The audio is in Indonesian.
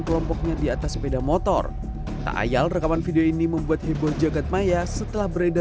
kelompoknya di atas sepeda motor tak ayal rekaman video ini membuat heboh jagad maya setelah beredar